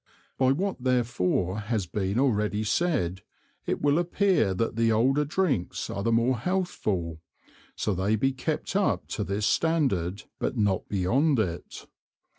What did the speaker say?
By what therefore has been already said, it will appear that the older Drinks are the more healthful, so they be kept up to this Standard, but not beyond it.